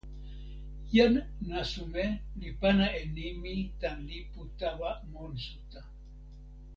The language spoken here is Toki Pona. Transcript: jan Nasume li pana e nimi tan lipu tawa monsuta.